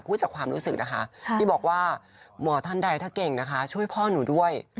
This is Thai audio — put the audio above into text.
พูดจากความรู้สึกนะคะที่บอกว่าหมอท่านใดถ้าเก่งนะคะช่วยพ่อหนูด้วย